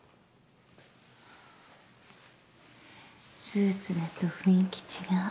スーツだと雰囲気違う。